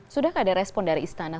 sudahkah ada respon dari istana